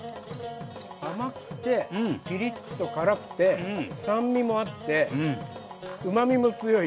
甘くてピリッと辛くて酸味もあってうまみも強い。